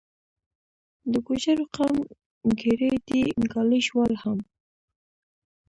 د ګوجرو قوم ګیري دي، ګالیش وال هم